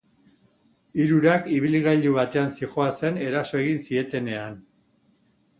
Hirurak ibilgailu batean zihoazen eraso egin zietenean.